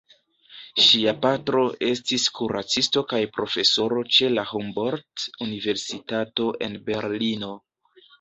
Ŝia patro estis kuracisto kaj profesoro ĉe la Humboldt-Universitato en Berlino.